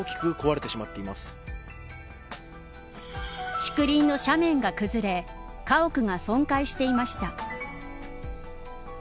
竹林の斜面が崩れ家屋が損壊していました。